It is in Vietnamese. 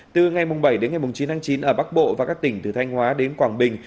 từ ngày bảy chín tháng chín ở bắc bộ và các tỉnh từ thanh hóa đến quảng bình